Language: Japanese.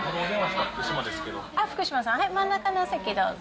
福島さん、真ん中のお席、どうぞ。